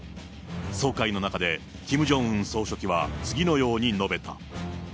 総会の中で、キム・ジョンウン総書記は次のように述べた。